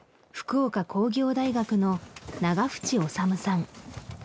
福岡工業大学の永淵修さん